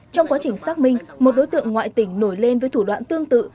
trong quá trình xác minh một đối tượng ngoại tỉnh nổi lên với thủ đoạn tương tự